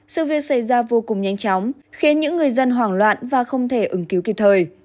sự việc xảy ra vô cùng nhanh chóng khiến những người dân hoảng loạn và không thể ứng cứu kịp thời